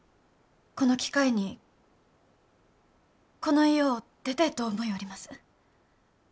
この機会にこの家を出てえと思ようります。